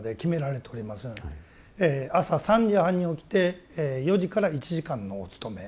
朝３時半に起きて４時から１時間のお勤め。